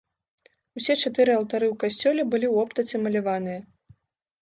Усе чатыры алтары ў касцёле былі ў оптыцы маляваныя.